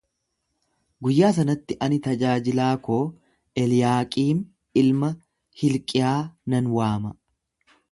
Guyyaa sanatti ani tajaajilaa koo Eliyaaqiim ilma Hilqiyaa nan waama.